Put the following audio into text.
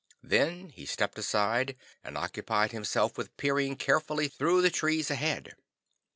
Then he stepped aside, and occupied himself with peering carefully through the trees ahead.